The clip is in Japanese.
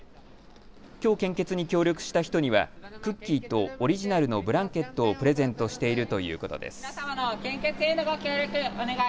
きょう献血に協力した人にはクッキーとオリジナルのブランケットをプレゼントしているということです。